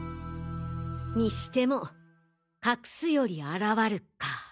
にしても「隠すより現る」か。